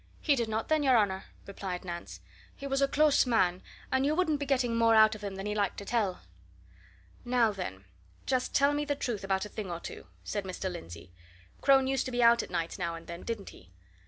"He did not, then, your honour," replied Nance. "He was a close man, and you wouldn't be getting more out of him than he liked to tell." "Now, then, just tell me the truth about a thing or two," said Mr. Lindsey. "Crone used to be out at nights now and then, didn't he?"